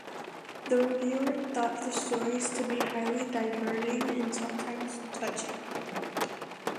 The reviewer thought the stories to be highly diverting and sometimes touching.